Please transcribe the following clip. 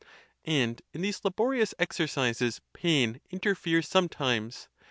And in these laborious exercises pain interferes sometimes.